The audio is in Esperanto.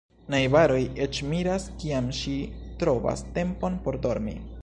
Najbaroj eĉ miras, kiam ŝi trovas tempon por dormi.